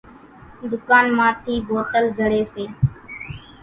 ۮُڪانَ مان ٿِي بوتل زڙيَ سي۔